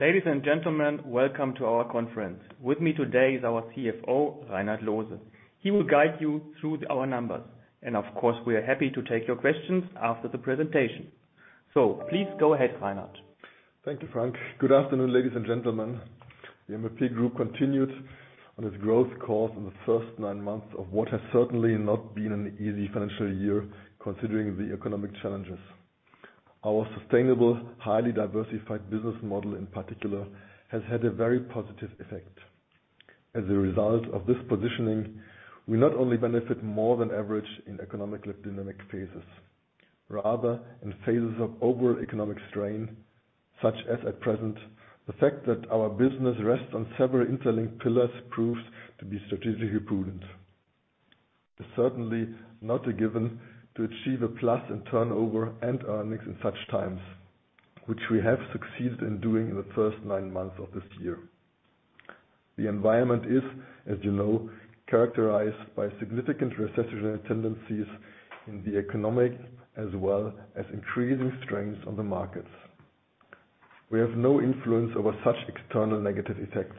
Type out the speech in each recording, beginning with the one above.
Ladies and gentlemen, welcome to our conference. With me today is our CFO, Reinhard Loose. He will guide you through our numbers, and of course, we are happy to take your questions after the presentation. Please go ahead, Reinhard. Thank you, Frank. Good afternoon, ladies and gentlemen. The MLP Group continued on its growth course in the first nine months of what has certainly not been an easy financial year, considering the economic challenges. Our sustainable, highly diversified business model in particular, has had a very positive effect. As a result of this positioning, we not only benefit more than average in economically dynamic phases. Rather, in phases of overall economic strain, such as at present, the fact that our business rests on several interlinked pillars proves to be strategically prudent. It's certainly not a given to achieve a plus in turnover and earnings in such times, which we have succeeded in doing in the first nine months of this year. The environment is, as you know, characterized by significant recessionary tendencies in the economy, as well as increasing strains on the markets. We have no influence over such external negative effects,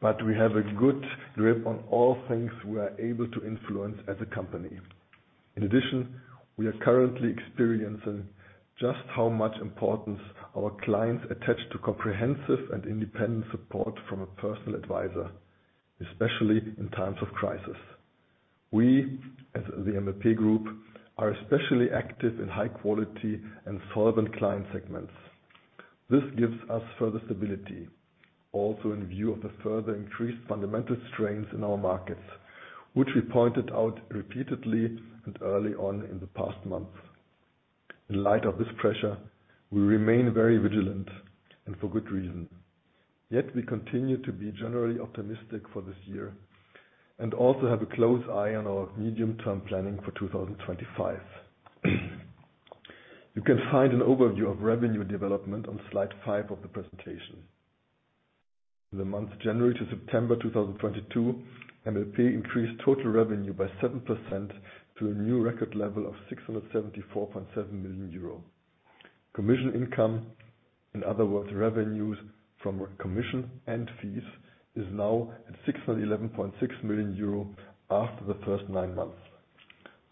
but we have a good grip on all things we are able to influence as a company. In addition, we are currently experiencing just how much importance our clients attach to comprehensive and independent support from a personal advisor, especially in times of crisis. We, as the MLP Group, are especially active in high quality and solvent client segments. This gives us further stability, also in view of the further increased fundamental strains in our markets, which we pointed out repeatedly and early on in the past months. In light of this pressure, we remain very vigilant and for good reason. Yet we continue to be generally optimistic for this year and also have a close eye on our medium-term planning for 2025. You can find an overview of revenue development on slide five of the presentation. The month January to September 2022, MLP increased total revenue by 7% to a new record level of 674.7 million euro. Commission income, in other words, revenues from commission and fees, is now at 611.6 million euro after the first nine months.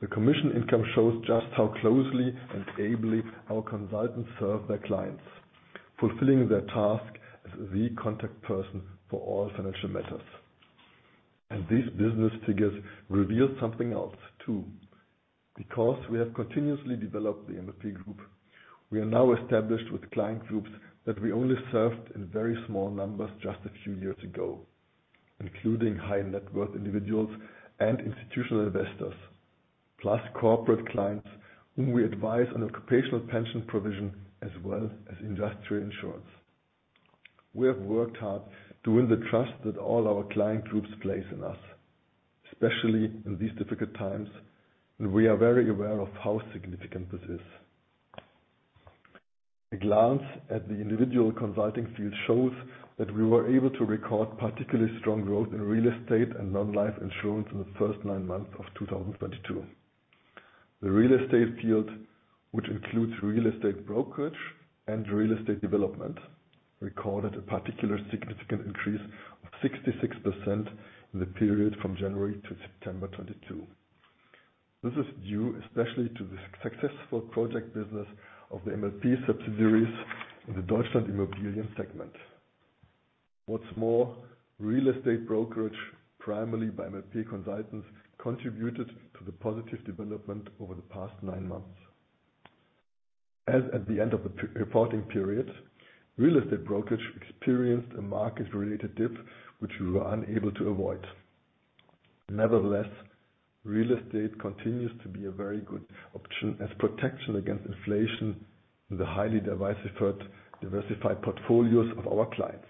The commission income shows just how closely and ably our consultants serve their clients, fulfilling their task as the contact person for all financial matters. These business figures reveal something else, too. Because we have continuously developed the MLP Group, we are now established with client groups that we only served in very small numbers just a few years ago, including high-net-worth individuals and institutional investors, plus corporate clients whom we advise on occupational pension provision as well as industrial insurance. We have worked hard to win the trust that all our client groups place in us, especially in these difficult times, and we are very aware of how significant this is. A glance at the individual consulting field shows that we were able to record particularly strong growth in real estate and non-life insurance in the first nine months of 2022. The real estate field, which includes real estate brokerage and real estate development, recorded a particularly significant increase of 66% in the period from January to September 2022. This is due especially to the successful project business of the MLP subsidiaries in the Deutschland.Immobilien segment. What's more, real estate brokerage, primarily by MLP consultants, contributed to the positive development over the past nine months. As at the end of the reporting period, real estate brokerage experienced a market-related dip, which we were unable to avoid. Nevertheless, real estate continues to be a very good option as protection against inflation in the highly diversified portfolios of our clients.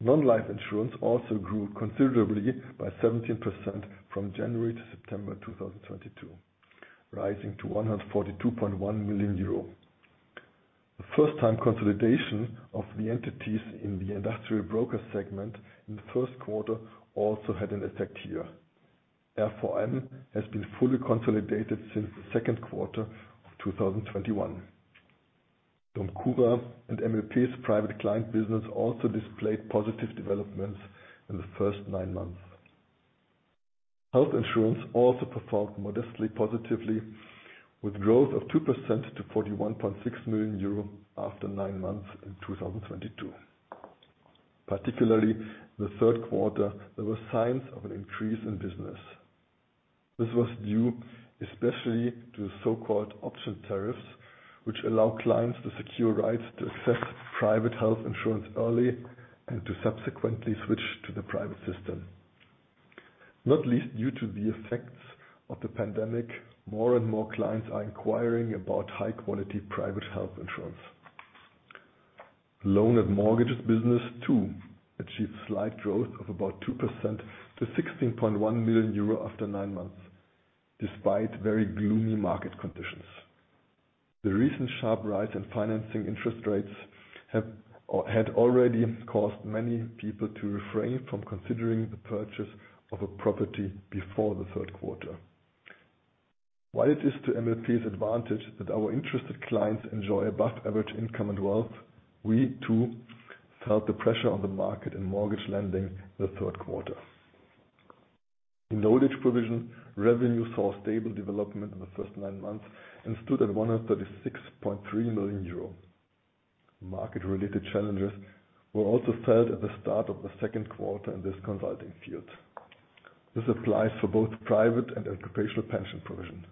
Non-life insurance also grew considerably by 17% from January to September 2022, rising to 142.1 million euro. The first-time consolidation of the entities in the industrial broker segment in the first quarter also had an effect here. RVM has been fully consolidated since the second quarter of 2021. DOMCURA and MLP's private client business also displayed positive developments in the first nine months. Health insurance also performed modestly positively, with growth of 2% to 41.6 million euro after nine months in 2022. Particularly in the third quarter, there were signs of an increase in business. This was due especially to the so-called option tariffs, which allow clients to secure rights to access private health insurance early and to subsequently switch to the private system. Not least due to the effects of the pandemic, more and more clients are inquiring about high-quality private health insurance. Loans and mortgages business too achieved slight growth of about 2% to 16.1 million euro after nine months, despite very gloomy market conditions. The recent sharp rise in financing interest rates had already caused many people to refrain from considering the purchase of a property before the third quarter. While it is to MLP's advantage that our interested clients enjoy above average income and wealth, we too felt the pressure on the market in mortgage lending in the third quarter. In old-age provision, revenue saw a stable development in the first nine months and stood at 136.3 million euro. Market-related challenges were also felt at the start of the second quarter in this consulting field. This applies for both private and occupational pension provision.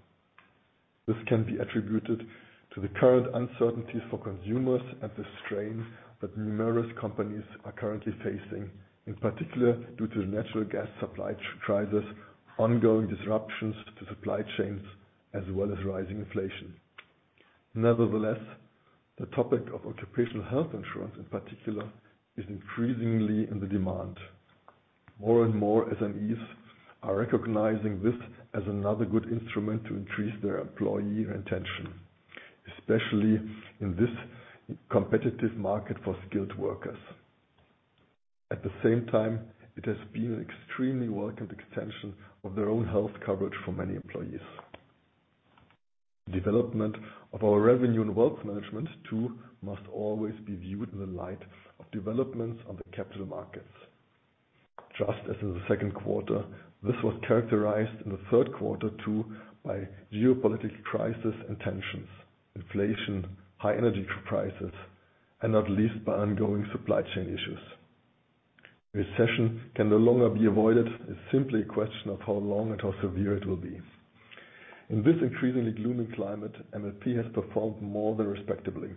This can be attributed to the current uncertainties for consumers and the strain that numerous companies are currently facing, in particular due to natural gas supply crisis, ongoing disruptions to supply chains, as well as rising inflation. Nevertheless, the topic of occupational health insurance in particular is increasingly in demand. More and more SMEs are recognizing this as another good instrument to increase their employee retention, especially in this competitive market for skilled workers. At the same time, it has been an extremely welcomed extension of their own health coverage for many employees. Development of our revenue and wealth management, too, must always be viewed in the light of developments on the capital markets. Just as in the second quarter, this was characterized in the third quarter too, by geopolitical crisis and tensions, inflation, high energy prices, and not least by ongoing supply chain issues. Recession can no longer be avoided. It's simply a question of how long and how severe it will be. In this increasingly gloomy climate, MLP has performed more than respectably.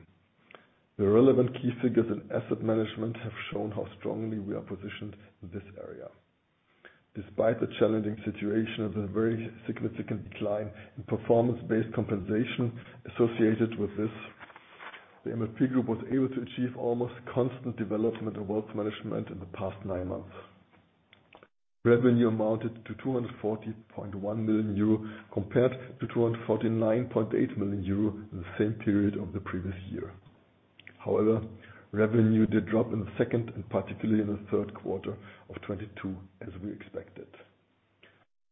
The relevant key figures in asset management have shown how strongly we are positioned in this area. Despite the challenging situation of a very significant decline in performance-based compensation associated with this, the MLP Group was able to achieve almost constant development in wealth management in the past nine months. Revenue amounted to 240.1 million euro, compared to 249.8 million euro in the same period of the previous year. However, revenue did drop in the second, and particularly in the third quarter of 2022, as we expected.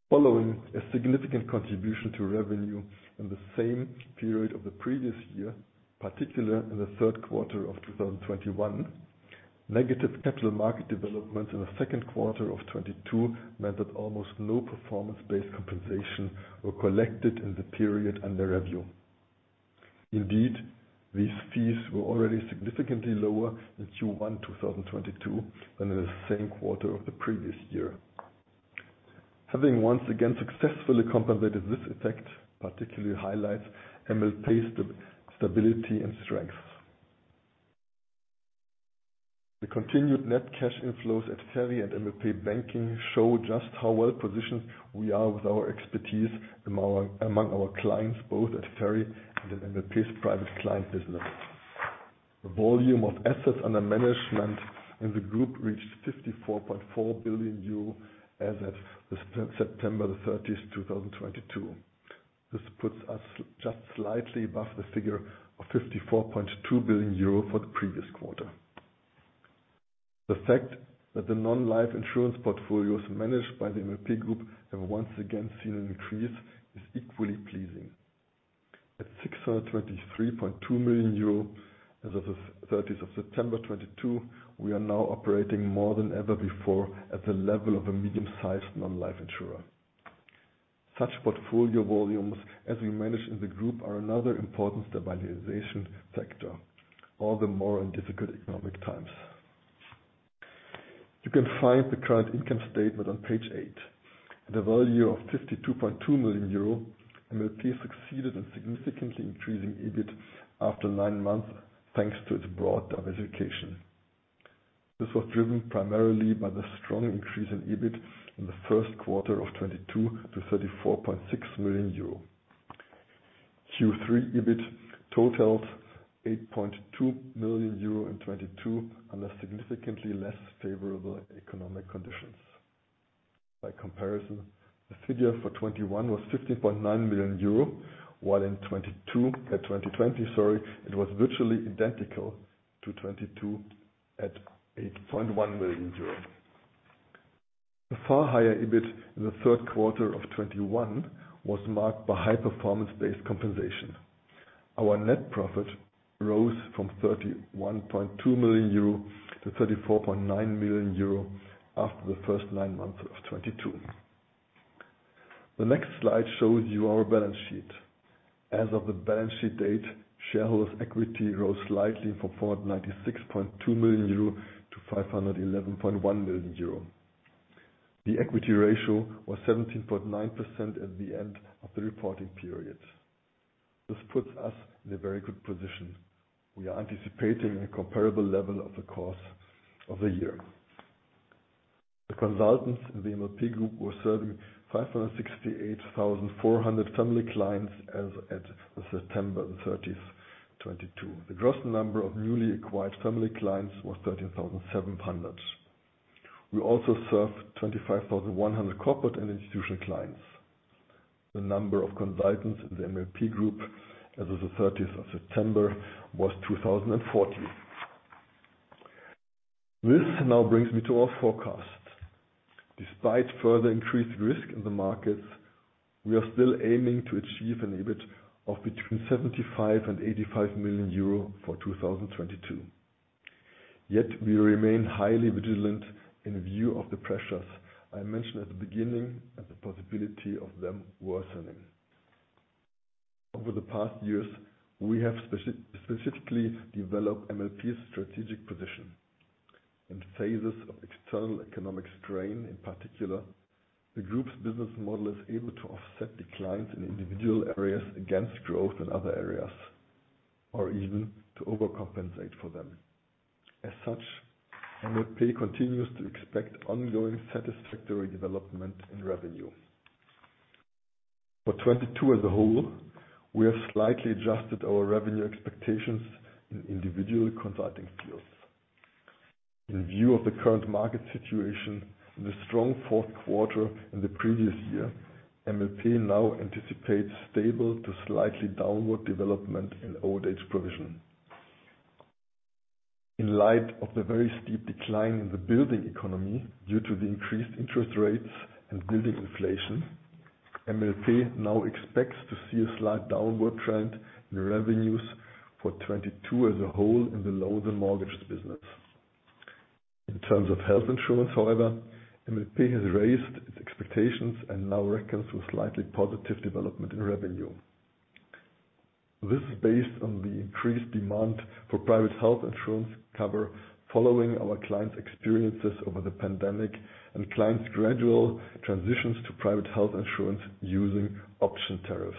Following a significant contribution to revenue in the same period of the previous year, particularly in the third quarter of 2021, negative capital market developments in the second quarter of 2022 meant that almost no performance-based compensation were collected in the period under review. Indeed, these fees were already significantly lower in Q1 2022, than in the same quarter of the previous year. Having once again successfully compensated this effect particularly highlights MLP's stability and strength. The continued net cash inflows at FERI and MLP Bank show just how well-positioned we are with our expertise among our clients, both at FERI and in MLP's private client business. The volume of assets under management in the group reached 54.4 billion euro as of September 30, 2022. This puts us just slightly above the figure of 54.2 billion euro for the previous quarter. The fact that the non-life insurance portfolios managed by the MLP Group have once again seen an increase is equally pleasing. At 623.2 million euro as of September 30, 2022, we are now operating more than ever before at the level of a medium-sized non-life insurer. Such portfolio volumes as we manage in the group are another important stabilization factor, all the more in difficult economic times. You can find the current income statement on page eight. At a value of 52.2 million euro, MLP succeeded in significantly increasing EBIT after nine months, thanks to its broad diversification. This was driven primarily by the strong increase in EBIT in the first quarter of 2022 to 34.6 million euro. Q3 EBIT totaled 8.2 million euro in 2022, under significantly less favorable economic conditions. By comparison, the figure for 2021 was 15.9 million euro, while in 2020 it was virtually identical to 2022 at 8.1 million euros. The far higher EBIT in the third quarter of 2021 was marked by high performance-based compensation. Our net profit rose from 31.2 million euro to 34.9 million euro after the first nine months of 2022. The next slide shows you our balance sheet. As of the balance sheet date, shareholder equity rose slightly from 496.2 million euro to 511.1 million euro. The equity ratio was 17.9% at the end of the reporting period. This puts us in a very good position. We are anticipating a comparable level of the course of the year. The consultants in the MLP Group were serving 568,400 family clients as at September 30, 2022. The gross number of newly acquired family clients was 13,700. We also served 25,100 corporate and institutional clients. The number of consultants in the MLP Group as of September 30 was 2,040. This now brings me to our forecast. Despite further increased risk in the markets, we are still aiming to achieve an EBIT of between 75 million and 85 million euro for 2022. Yet we remain highly vigilant in view of the pressures I mentioned at the beginning and the possibility of them worsening. Over the past years, we have specifically developed MLP's strategic position. In phases of external economic strain, in particular, the group's business model is able to offset declines in individual areas against growth in other areas, or even to overcompensate for them. As such, MLP continues to expect ongoing satisfactory development in revenue. For 2022 as a whole, we have slightly adjusted our revenue expectations in individual consulting fields. In view of the current market situation and the strong fourth quarter in the previous year, MLP now anticipates stable to slightly downward development in old age provision. In light of the very steep decline in the building economy due to the increased interest rates and building inflation, MLP now expects to see a slight downward trend in revenues for 2022 as a whole in the loans and mortgages business. In terms of health insurance, however, MLP has raised its expectations and now reckons with slightly positive development in revenue. This is based on the increased demand for private health insurance cover following our clients' experiences over the pandemic and clients' gradual transitions to private health insurance using option tariffs.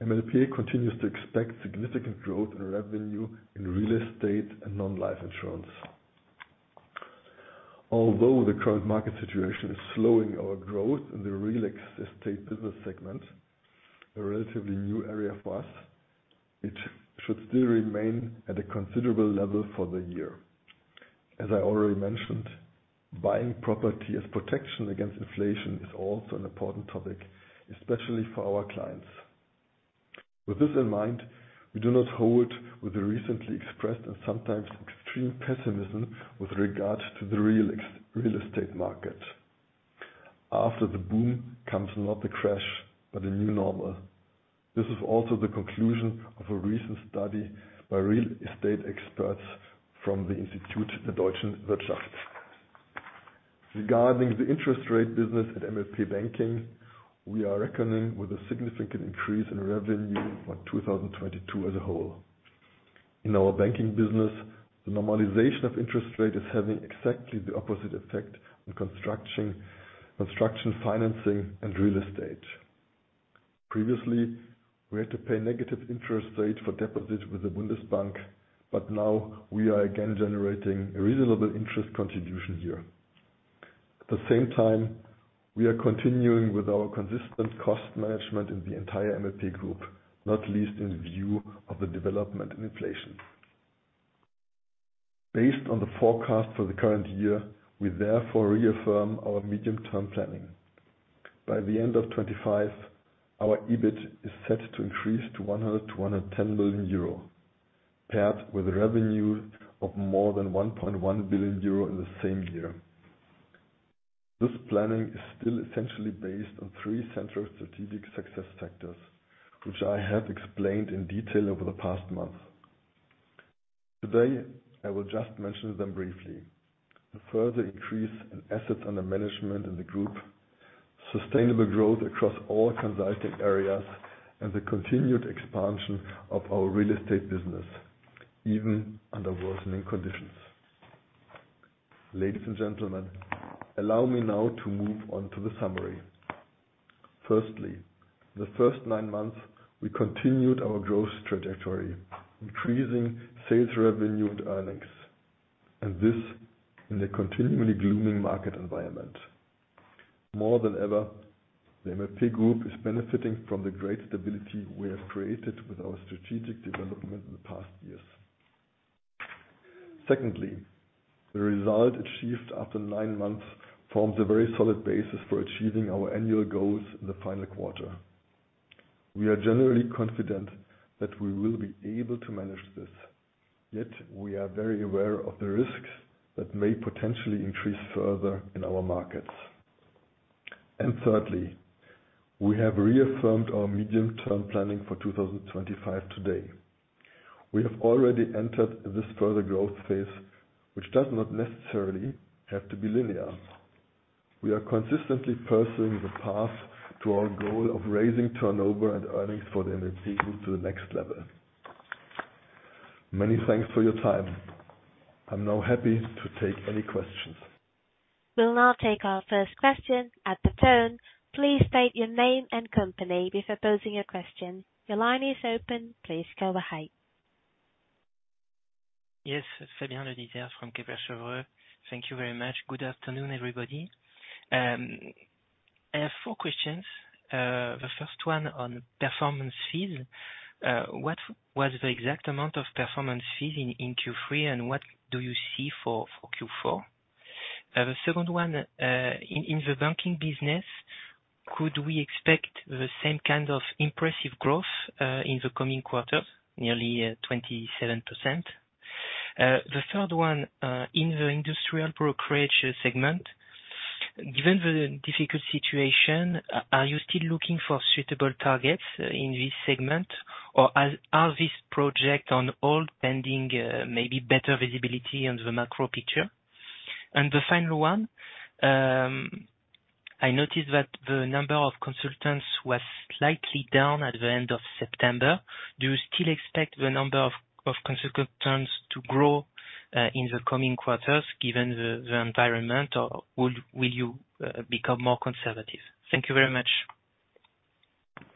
MLP continues to expect significant growth in revenue in real estate and non-life insurance. Although the current market situation is slowing our growth in the real estate business segment, a relatively new area for us, it should still remain at a considerable level for the year. As I already mentioned, buying property as protection against inflation is also an important topic, especially for our clients. With this in mind, we do not hold with the recently expressed and sometimes extreme pessimism with regard to the real estate market. After the boom comes not the crash, but a new normal. This is also the conclusion of a recent study by real estate experts from the Institut der Deutschen Wirtschaft. Regarding the interest rate business at MLP Bank, we are reckoning with a significant increase in revenue for 2022 as a whole. In our banking business, the normalization of interest rate is having exactly the opposite effect on construction financing and real estate. Previously, we had to pay negative interest rates for deposits with the Bundesbank, but now we are again generating a reasonable interest contribution here. At the same time, we are continuing with our consistent cost management in the entire MLP Group, not least in view of the development in inflation. Based on the forecast for the current year, we therefore reaffirm our medium-term planning. By the end of 2025, our EBIT is set to increase to 100 million-110 million euro, paired with revenue of more than 1.1 billion euro in the same year. This planning is still essentially based on three central strategic success factors, which I have explained in detail over the past months. Today, I will just mention them briefly. A further increase in assets under management in the group, sustainable growth across all consulting areas, and the continued expansion of our real estate business, even under worsening conditions. Ladies and gentlemen, allow me now to move on to the summary. Firstly, the first nine months, we continued our growth trajectory, increasing sales revenue and earnings, and this in a continually gloomy market environment. More than ever, the MLP Group is benefiting from the great stability we have created with our strategic development in the past years. Secondly, the result achieved after nine months forms a very solid basis for achieving our annual goals in the final quarter. We are generally confident that we will be able to manage this. Yet we are very aware of the risks that may potentially increase further in our markets. Thirdly, we have reaffirmed our medium-term planning for 2025 today. We have already entered this further growth phase, which does not necessarily have to be linear. We are consistently pursuing the path to our goal of raising turnover and earnings for the MLP Group to the next level. Many thanks for your time. I'm now happy to take any questions. We'll now take our first question at the phone. Please state your name and company before posing your question. Your line is open. Please go ahead. Yes. Fabian Leditscher from Kepler Cheuvreux. Thank you very much. Good afternoon, everybody. I have four questions. The first one on performance fees. What was the exact amount of performance fees in Q3, and what do you see for Q4? The second one, in the banking business, could we expect the same kind of impressive growth in the coming quarters, nearly 27%? The third one, in the industrial broker segment, given the difficult situation, are you still looking for suitable targets in this segment? Or are these projects on hold pending, maybe better visibility on the macro picture? The final one, I noticed that the number of consultants was slightly down at the end of September. Do you still expect the number of consultants to grow in the coming quarters given the environment or will you become more conservative? Thank you very much.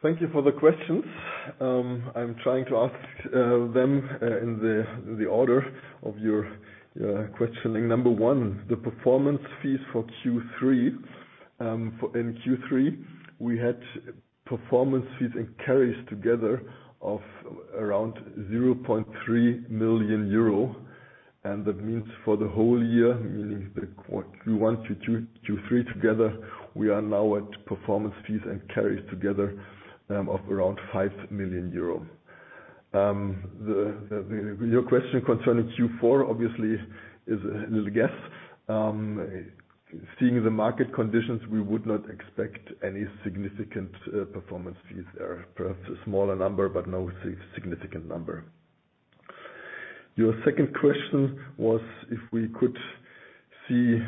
Thank you for the questions. I'm trying to ask them in the order of your questioning. Number one, the performance fees for Q3. In Q3, we had performance fees and carries together of around 0.3 million euro. That means for the whole year, meaning one to two, Q3 together, we are now at performance fees and carries together of around 5 million euro. Your question concerning Q4 obviously is a little guess. Seeing the market conditions, we would not expect any significant performance fees there. Perhaps a smaller number, but no significant number. Your second question was if we could see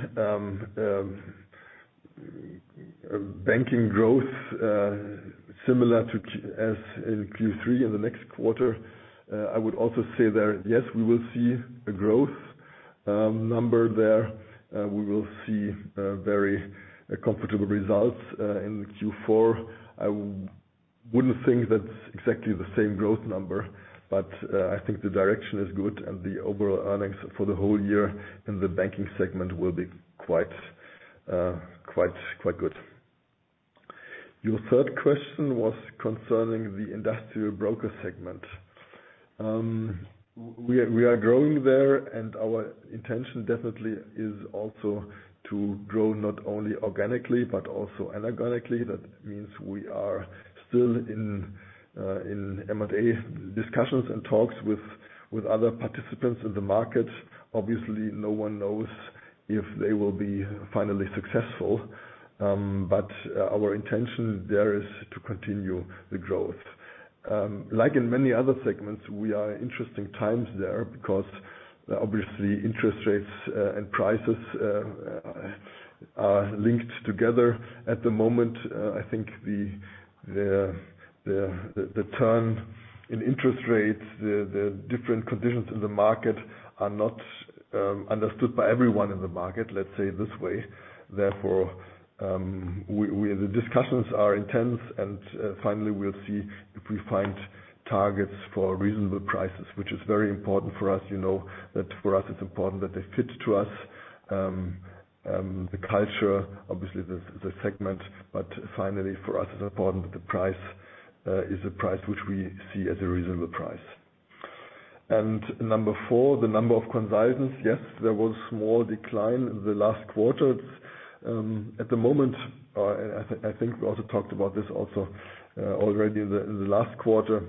a banking growth similar to as in Q3 in the next quarter. I would also say there, yes, we will see a growth number there. We will see very comfortable results in Q4. I wouldn't think that's exactly the same growth number, but I think the direction is good and the overall earnings for the whole year in the banking segment will be quite good. Your third question was concerning the industrial broker segment. We are growing there, and our intention definitely is also to grow not only organically but also inorganically. That means we are still in M&A discussions and talks with other participants in the market. Obviously, no one knows if they will be finally successful, but our intention there is to continue the growth. Like in many other segments, we are in interesting times there because obviously interest rates and prices are linked together. At the moment, I think the turn in interest rates, the different conditions in the market are not understood by everyone in the market, let's say this way. Therefore, the discussions are intense, and finally, we'll see if we find targets for reasonable prices, which is very important for us, you know. That for us it's important that they fit to us, the culture, obviously the segment, but finally, for us it's important that the price is the price which we see as a reasonable price. Number four, the number of consultants. Yes, there was a small decline in the last quarter. At the moment, I think we also talked about this also already in the last quarter.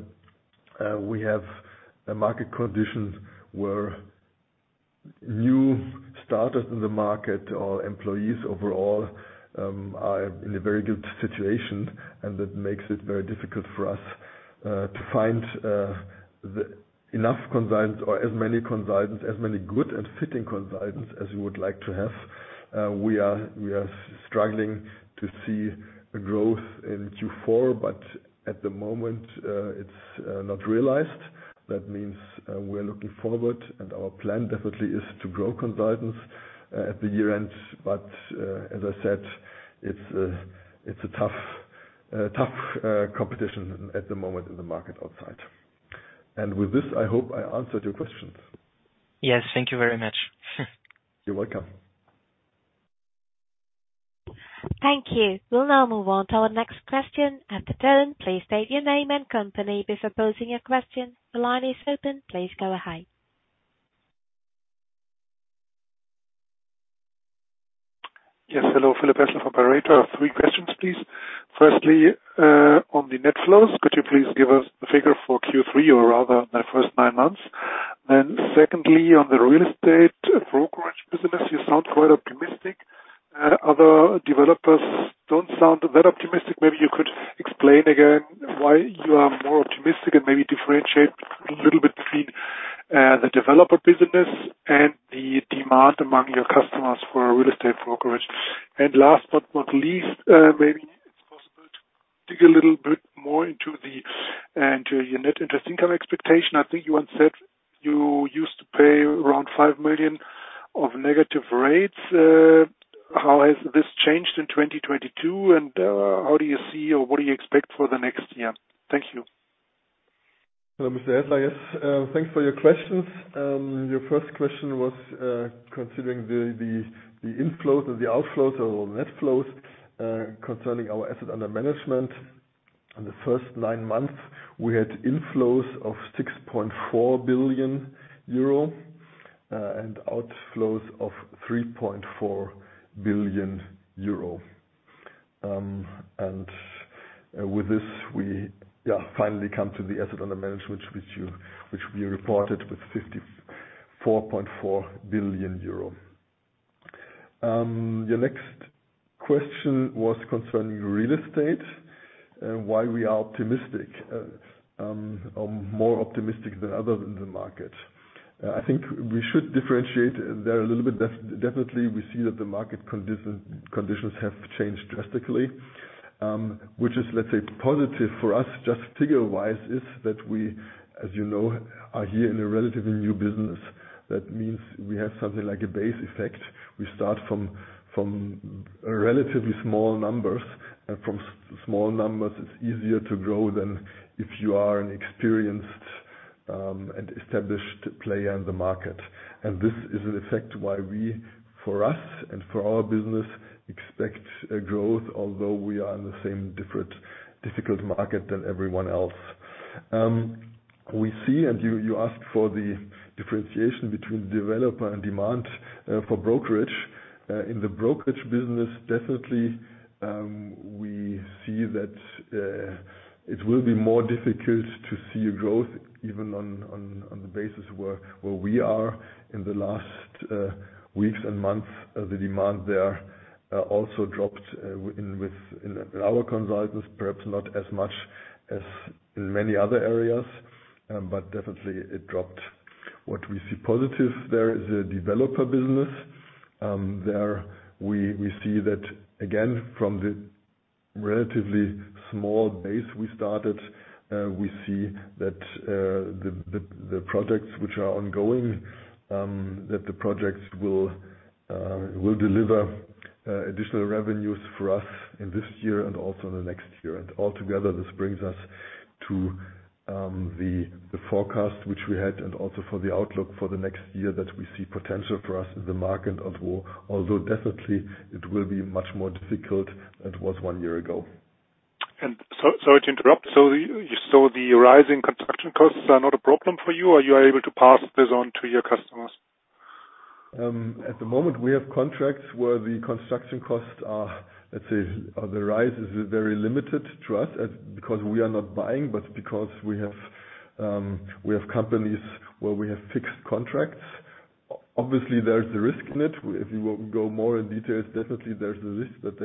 We have the market conditions where new starters in the market or employees overall are in a very good situation, and that makes it very difficult for us to find enough consultants or as many consultants, as many good and fitting consultants as we would like to have. We are struggling to see a growth in Q4, but at the moment, it's not realized. That means, we are looking forward, and our plan definitely is to grow consultants at the year-end. As I said, it's a tough competition at the moment in the market outside. With this, I hope I answered your questions. Yes, thank you very much. You're welcome. Thank you. We'll now move on to our next question. At the tone, please state your name and company before posing your question. The line is open. Please go ahead. Yes. Hello, Philipp Hässler from Berenberg. Three questions, please. Firstly, on the net flows, could you please give us a figure for Q3 or rather the first nine months? Secondly, on the real estate brokerage business, you sound quite optimistic. Other developers don't sound that optimistic. Maybe you could explain again why you are more optimistic and maybe differentiate a little bit between the developer business and the demand among your customers for real estate brokerage. Last but not least, maybe it's possible to dig a little bit more into the to your net interest income expectation. I think you once said you used to pay around 5 million of negative rates. How has this changed in 2022? And how do you see or what do you expect for the next year? Thank you. Hello, Mr. Hässler. Yes, thanks for your questions. Your first question was considering the inflows and the outflows or net flows concerning our assets under management. On the first nine months, we had inflows of 6.4 billion euro and outflows of 3.4 billion euro. With this we finally come to the assets under management which we reported with 54.4 billion euro. Your next question was concerning real estate and why we are optimistic or more optimistic than others in the market. I think we should differentiate there a little bit. Definitely we see that the market conditions have changed drastically, which is, let's say, positive for us. Just figure-wise is that we, as you know, are here in a relatively new business. That means we have something like a base effect. We start from relatively small numbers, and from small numbers it's easier to grow than if you are an experienced and established player in the market. This is the effect why we, for us and for our business, expect a growth although we are in the same difficult market than everyone else. We see, and you asked for the differentiation between development and demand for brokerage. In the brokerage business, definitely, we see that it will be more difficult to see a growth even on the basis where we are in the last weeks and months. The demand there also dropped within our consultants, perhaps not as much as in many other areas. But definitely it dropped. What we see positive there is the developer business. There we see that again from the relatively small base we started, we see that the projects which are ongoing, that the projects will deliver additional revenues for us in this year and also the next year. Altogether, this brings us to the forecast which we had and also for the outlook for the next year that we see potential for us in the market although definitely it will be much more difficult than it was one year ago. Sorry to interrupt. The rising construction costs are not a problem for you or you are able to pass this on to your customers? At the moment we have contracts where the construction costs are, let's say, the rise is very limited to us because we are not buying, but because we have companies where we have fixed contracts. Obviously there's a risk in it. If you go more into details, definitely there's a risk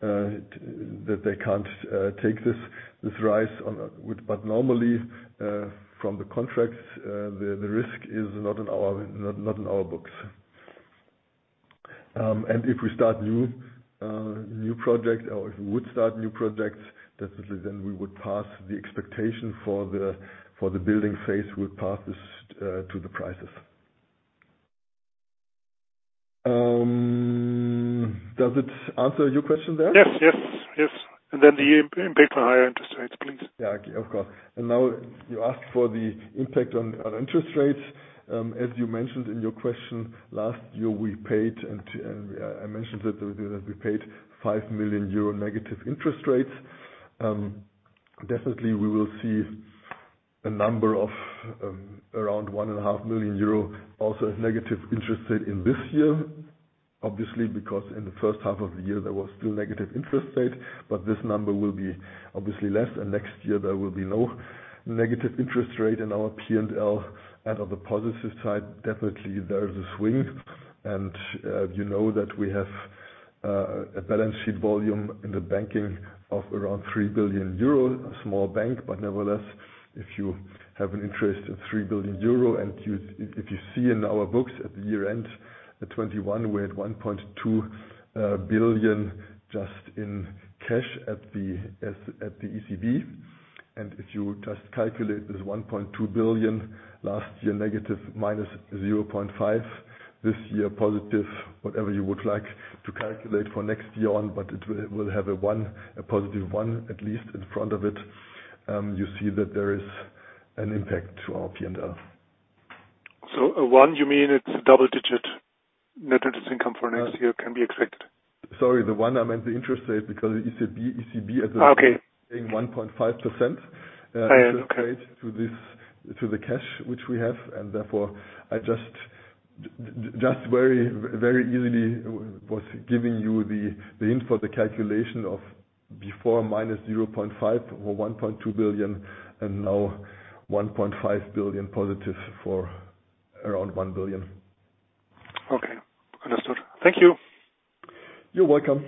that they can't take this rise on with. But normally, from the contracts, the risk is not in our books. If we start new project or if we would start new projects, definitely then we would pass the expectation for the building phase, we'll pass this to the prices. Does it answer your question there? Yes, yes. The impact for higher interest rates, please. Yeah. Of course. Now you ask for the impact on interest rates. As you mentioned in your question, last year we paid and I mentioned that we paid 5 million euro negative interest rates. Definitely we will see a number of around 1.5 million euro also as negative interest rate in this year. Obviously, because in the first half of the year there was still negative interest rate, but this number will be obviously less, and next year there will be no negative interest rate in our P&L. On the positive side, definitely there is a swing and you know that we have a balance sheet volume in the banking of around 3 billion euro. A small bank, but nevertheless, if you have an interest in 3 billion euro. If you see in our books at the year-end, at 2021 we had 1.2 billion just in cash at the ECB. If you just calculate this 1.2 billion last year negative minus 0.5 this year positive, whatever you would like to calculate for next year on, but it will have a positive one at least in front of it. You see that there is an impact to our P&L. Q1, you mean it's double-digit net interest income for next year can be expected? Sorry. The one I meant the interest rate because the ECB at the- Okay. 1.5%. Okay. To the cash which we have and therefore I just very easily was giving you the info, the calculation of before minus 0.5 billion or 1.2 billion and now 1.5 billion positive for around 1 billion. Okay. Understood. Thank you. You're welcome.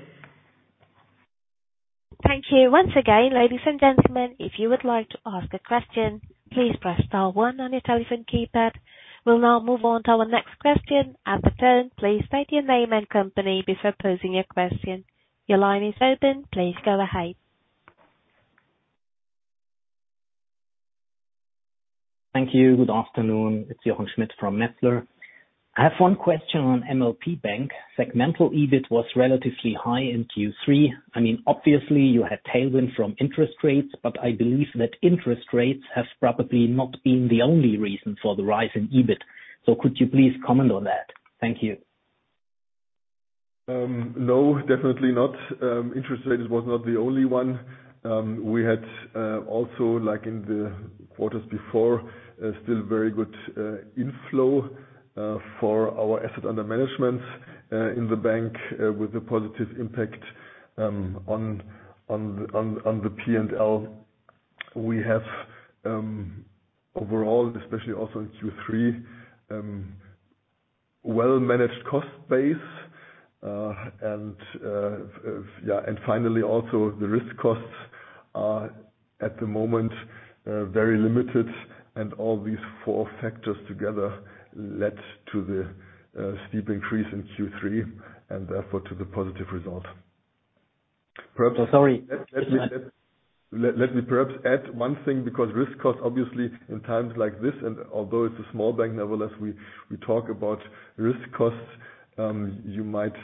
Thank you once again, ladies and gentlemen. If you would like to ask a question, please press star one on your telephone keypad. We'll now move on to our next question. At the tone, please state your name and company before posing your question. Your line is open. Please go ahead. Thank you. Good afternoon. It's Jochen Schmitt from Metzler. I have one question on MLP Bank. Segmental EBIT was relatively high in Q3. I mean, obviously you had tailwind from interest rates, but I believe that interest rates have probably not been the only reason for the rise in EBIT. Could you please comment on that? Thank you. No, definitely not. Interest rate was not the only one. We had also like in the quarters before still very good inflow for our assets under management in the bank with the positive impact on the P&L. We have overall especially also in Q3 well-managed cost base. Yeah. Finally, also the risk costs are at the moment very limited and all these four factors together led to the steep increase in Q3 and therefore to the positive result. Sorry. Let me perhaps add one thing, because risk costs obviously in times like this and although it's a small bank, nevertheless we talk about risk costs. You might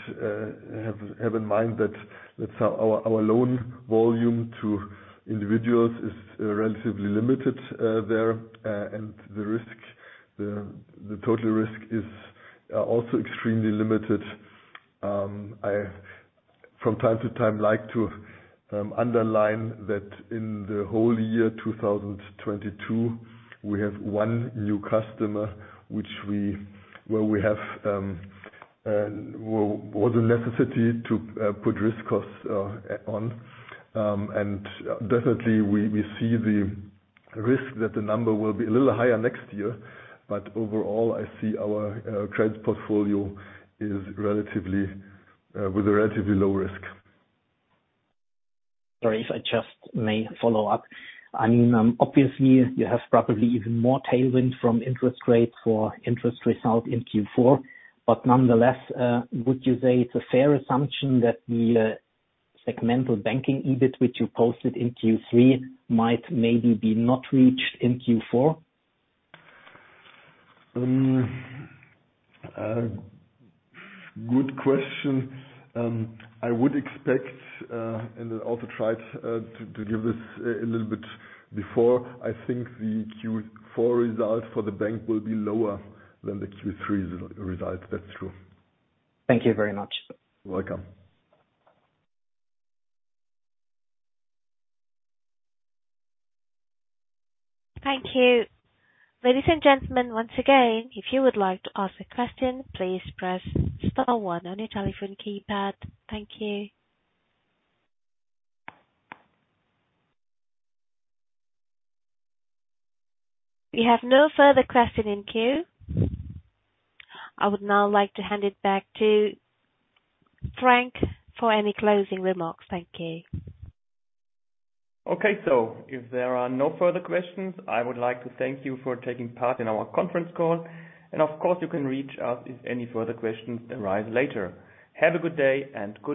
have in mind that our loan volume to individuals is relatively limited there. The total risk is also extremely limited. I from time to time like to underline that in the whole year 2022, we have one new customer where we had a necessity to put risk costs on. Definitely we see the risk that the number will be a little higher next year. Overall I see our credit portfolio is relatively with a relatively low risk. Sorry if I just may follow up. I mean, obviously you have probably even more tailwind from interest rates for interest result in Q4. Nonetheless, would you say it's a fair assumption that the segmental banking EBIT which you posted in Q3 might maybe be not reached in Q4? Good question. I would expect, and also tried, to give this a little bit before, I think the Q4 results for the bank will be lower than the Q3 result. That's true. Thank you very much. You're welcome. Thank you. Ladies and gentlemen, once again, if you would like to ask a question, please press star one on your telephone keypad. Thank you. We have no further question in queue. I would now like to hand it back to Frank for any closing remarks. Thank you. Okay. If there are no further questions, I would like to thank you for taking part in our conference call. Of course you can reach out if any further questions arise later. Have a good day and goodbye.